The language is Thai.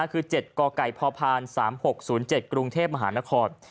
คือ๗กไก่พพ๓๖๐๗กรุงเทพมหานคร